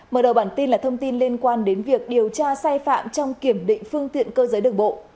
mở đầu bản tin là thông tin liên quan đến việc điều tra sai phạm trong kiểm định phương tiện cơ giới đường bộ